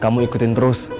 kamu ikutin terus